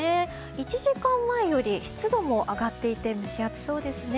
１時間前より湿度も上がっていて蒸し暑そうですね。